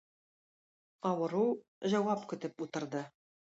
Авыру җавап көтеп утырды.